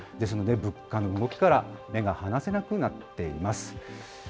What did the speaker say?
その物価の動きから目が離せなくなっています。